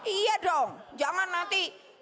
iya dong jangan nanti